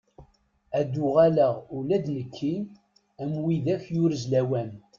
Ad uɣaleɣ ula d nekki am widak yurez lawan.